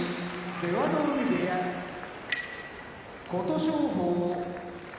出羽海部屋琴勝峰